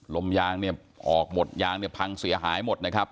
ลมยางเนี่ยออกหมดยางเนี่ยพังเสียหายหมดนะครับ